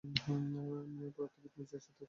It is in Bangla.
পুরাতত্ত্ববিদ মির্জার, সাথেও কথা বলছে।